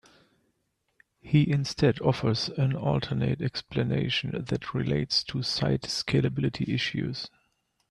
He instead offers an alternate explanation that relates to site scalability issues.